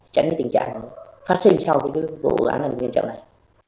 tránh tình trạng phát sinh sau vụ án này